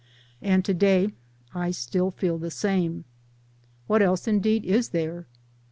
And to day, I still feel the same. What else indeed is there?